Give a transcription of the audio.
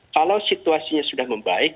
kalau situasinya sudah membaik